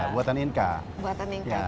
buatan inca tapi teknologinya